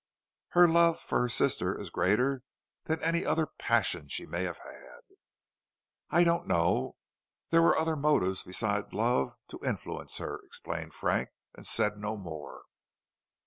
"Her love for her sister is then greater than any other passion she may have had." "I don't know; there were other motives beside love to influence her," explained Frank, and said no more.